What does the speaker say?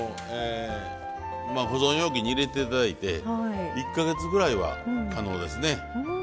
まあ保存容器に入れていただいて１か月ぐらいは可能ですね。